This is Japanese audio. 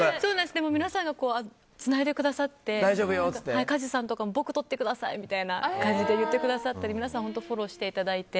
でも皆さんがつないでくださって梶さんとかも僕、撮ってくださいとか言ってくださったり皆さん、フォローしてくださって。